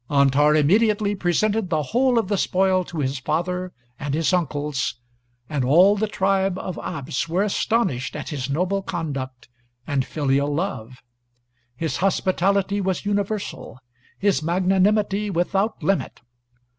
"Antar immediately presented the whole of the spoil to his father and his uncles; and all the tribe of Abs were astonished at his noble conduct and filial love." His hospitality was universal; his magnanimity without limit.